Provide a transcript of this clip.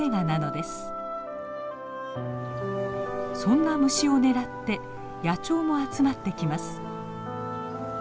そんな虫を狙って野鳥も集まってきます。